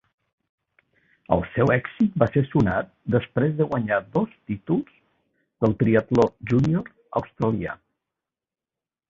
El seu èxit va ser sonat després de guanyar dos títols del triatló júnior australià.